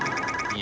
え？